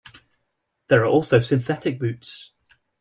There are also synthetic boots.